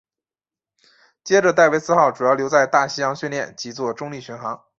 接着戴维斯号主要留在大西洋训练及作中立巡航。